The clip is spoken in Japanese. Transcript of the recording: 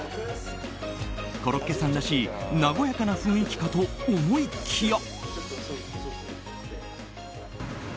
コロッケさんらしい和やかな雰囲気かと思いきや。